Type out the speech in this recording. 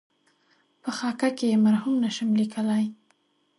په خاکه کې یې مرحوم نشم لېکلای.